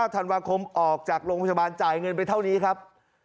ธันวาคมออกจากโรงพยาบาลจ่ายเงินไปเท่านี้ครับ